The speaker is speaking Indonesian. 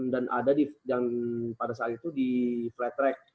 dan ada pada saat itu di flat track